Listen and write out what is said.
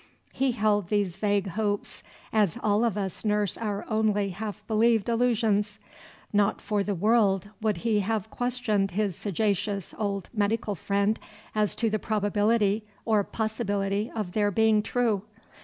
He held these vague hopes as all of us nurse our only half believed illusions. Not for the world would he have questioned his sagacious old medical friend as to the probability or possibility of their being true.